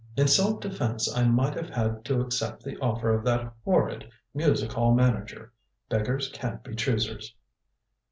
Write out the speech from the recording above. In self defence I might have had to accept the offer of that horrid music hall manager. Beggars can't be choosers."